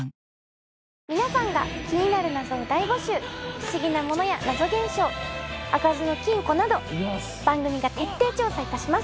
不思議なものや謎現象開かずの金庫など番組が徹底調査いたします。